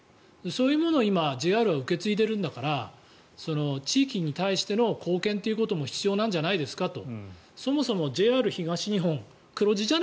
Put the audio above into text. そういうものを今、ＪＲは受け継いでいるんだから地域に対しての貢献ということも必要なんじゃないですかと。